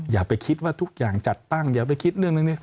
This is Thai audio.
อย่าไปคิดว่าทุกอย่างจัดตั้งอย่าไปคิดเรื่องเรื่องนี้